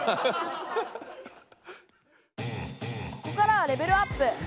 ここからはレベルアップ。